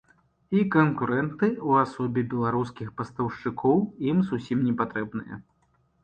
І канкурэнты ў асобе беларускіх пастаўшчыкоў ім зусім не патрэбныя.